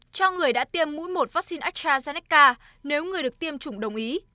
cho người đã tiêm mũi một vaccine astrazeneca nếu người được tiêm chủng đồng ý